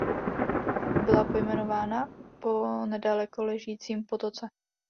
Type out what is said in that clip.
Byla pojmenována po nedaleko ležícím potoce.